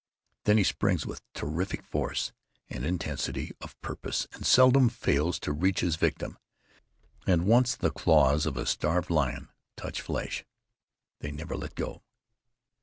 Then he springs with terrific force, and intensity of purpose, and seldom fails to reach his victim, and once the claws of a starved lion touch flesh, they never let go.